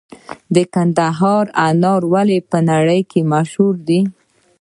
د کندهار انار ولې په نړۍ کې مشهور دي؟